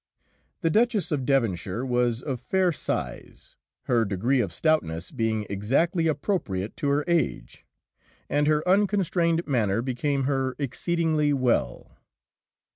The Duchess of Devonshire was of fair size, her degree of stoutness being exactly appropriate to her age, and her unconstrained manner became her exceedingly well.